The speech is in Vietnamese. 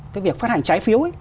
cái việc phát hành trái phiếu